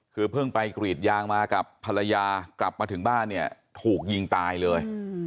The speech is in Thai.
คือเพิ่งไปกรีดยางมากับภรรยากลับมาถึงบ้านเนี่ยถูกยิงตายเลย